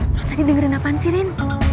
lo tadi dengerin apaan sih rin